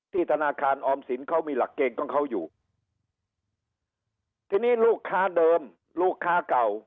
ธนาคารออมสินเขามีหลักเกณฑ์ของเขาอยู่ทีนี้ลูกค้าเดิมลูกค้าเก่า